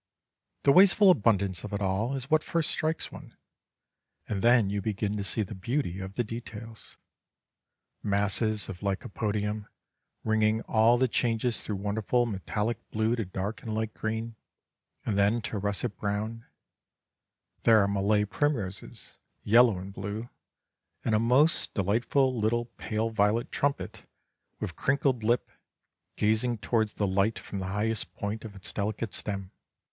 The wasteful abundance of it all is what first strikes one, and then you begin to see the beauty of the details. Masses of lycopodium, ringing all the changes through wonderful metallic blue to dark and light green, and then to russet brown; there are Malay primroses, yellow and blue, and a most delightful little pale violet trumpet, with crinkled lip, gazing towards the light from the highest point of its delicate stem.